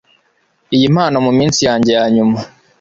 Iyi mpano muminsi yanjye yanyuma